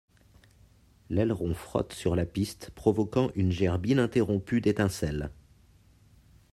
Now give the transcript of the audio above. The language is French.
L'aileron frotte sur la piste provoquant une gerbe ininterrompue d'étincelles.